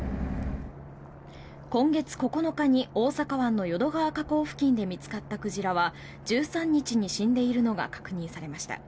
今月９日に大阪湾の淀川河口付近で見つかった鯨は１３日に死んでいるのが確認されました。